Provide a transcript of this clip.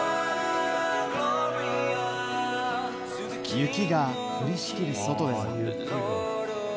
雪が降りしきる外では。